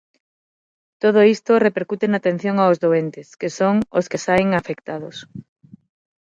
Todo isto repercute na atención aos doentes, que son que os que saen afectados.